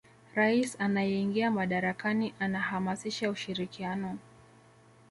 rais anayeingia madarakani anahamasisha ushirikiano